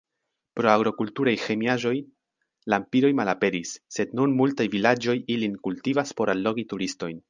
Pro agrokulturaj ĥemiaĵoj lampiroj malaperis, sed nun multaj vilaĝoj ilin kultivas por allogi turistojn.